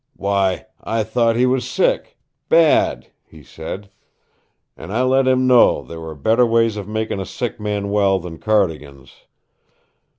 'Why, I thought he was sick BAD!' he said. And I let him know there were better ways of making a sick man well than Cardigan's.